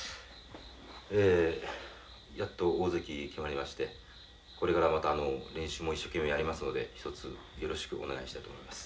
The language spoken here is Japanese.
ええやっと大関に決まりましてこれから練習も一生懸命やりますのでひとつよろしくお願いしたいと思います。